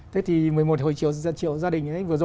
thế thì một mươi một triệu hộ gia đình